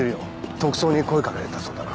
特捜に声掛けられたそうだな。